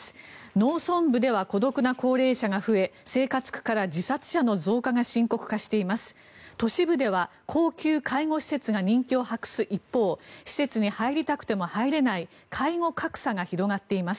農村部では孤独な高齢者が増え生活苦から自殺者の増加が懸念されています。